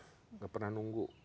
nggak pernah nunggu